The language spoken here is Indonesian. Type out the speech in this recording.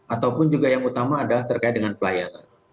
ataupun juga yang utama adalah terkait dengan pelayanan